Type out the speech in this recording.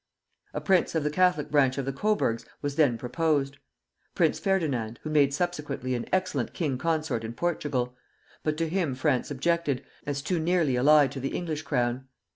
A prince of the Catholic branch of the Coburgs was then proposed, Prince Ferdinand, who made subsequently an excellent king consort in Portugal; but to him France objected, as too nearly allied to the English Crown.